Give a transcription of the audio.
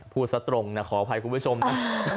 พูดซะตรงนะขออภัยคุณผู้ชมนะ